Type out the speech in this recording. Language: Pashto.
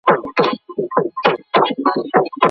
که نیوکه پر ځای وي نو د اصلاح سبب ګرځي.